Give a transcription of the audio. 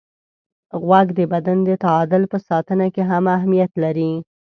غوږ د بدن د تعادل په ساتنه کې هم اهمیت لري.